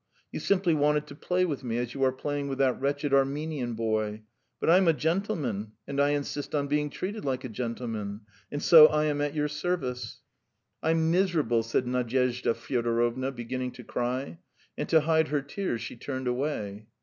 You simply wanted to play with me, as you are playing with that wretched Armenian boy; but I'm a gentleman and I insist on being treated like a gentleman. And so I am at your service. ..." "I'm miserable," said Nadyezhda Fyodorovna beginning to cry, and to hide her tears she turned away.